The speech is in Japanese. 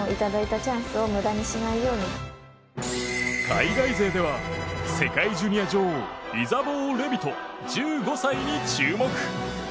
海外勢では世界ジュニア女王イザボー・レビト、１５歳に注目。